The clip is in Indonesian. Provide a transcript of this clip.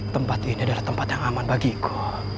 tempat ini adalah tempat yang aman bagiku